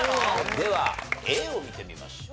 ではＡを見てみましょう。